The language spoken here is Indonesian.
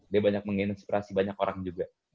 dia banyak menginspirasi banyak orang juga